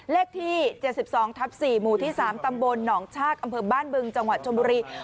เลขที่๗๒ทับ๔หมู่ที่๓ตำบลหนองชากอำเภอบ้านบึงจังหวัดชนบุรี